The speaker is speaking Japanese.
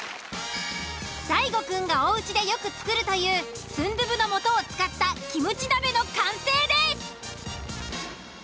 大悟くんがおうちでよく作るというスンドゥブの素を使ったキムチ鍋の完成です！